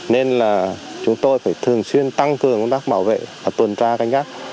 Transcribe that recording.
nên là chúng tôi phải thường xuyên tăng cường công tác bảo vệ và tuần tra canh gác